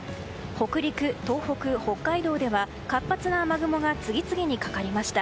北陸、東北、北海道では活発な雨雲が次々にかかりました。